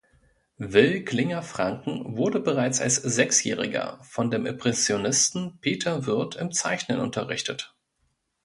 Will Klinger-Franken wurde bereits als Sechsjähriger von dem Impressionisten Peter Würth im Zeichnen unterrichtet.